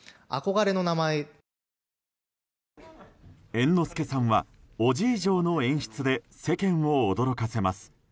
猿之助さんは伯父以上の演出で世間を驚かせます。